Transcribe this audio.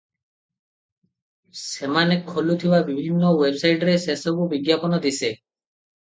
ସେମାନେ ଖୋଲୁଥିବା ବିଭିନ୍ନ ୱେବସାଇଟରେ ସେସବୁ ବିଜ୍ଞାପନ ଦିଶେ ।